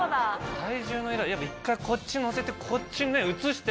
体重の移動やっぱり１回こっちにのせてこっちにね移して。